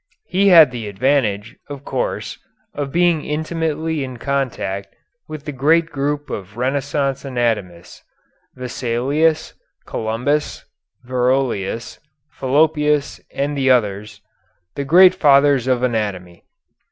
He had the advantage, of course, of being intimately in contact with the great group of Renaissance anatomists, Vesalius, Columbus, Varolius, Fallopius, and the others, the great fathers of anatomy.